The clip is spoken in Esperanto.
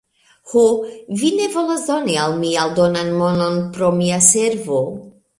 "Ho, vi ne volas doni al mi aldonan monon pro mia servo?"